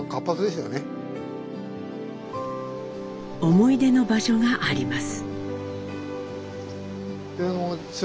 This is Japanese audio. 思い出の場所があります。